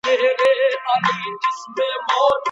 که د ځنګلونو اور لګیدنه ژر مهار سي، نو ډیري ونې نه سوځي.